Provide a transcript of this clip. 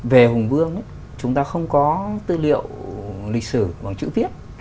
về hùng vương chúng ta không có tư liệu lịch sử bằng chữ viết